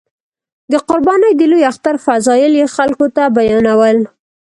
د قربانۍ د لوی اختر فضایل یې خلکو ته بیانول.